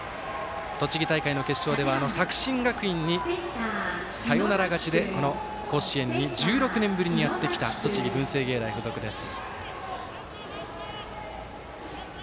栃木大会の決勝では作新学院にサヨナラ勝ちで甲子園に１６年ぶりにやってきた栃木、文星芸大付属です。